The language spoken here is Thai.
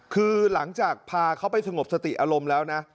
คือหลังจากพาเขาไปสงบสติอารมณ์แล้วนะ